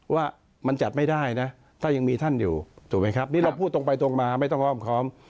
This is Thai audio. ว่ามันจัดไม่ได้นะถ้ายังมีท่านอยู่ถูกไหมครับนี่เราพูดตรงไปตรงมาไม่ต้องอ้อมค้อม